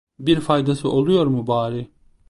Bir faydası oluyor mu bari?